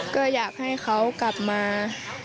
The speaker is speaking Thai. ก็อยากให้เขากลับมา